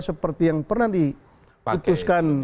seperti yang pernah diutuskan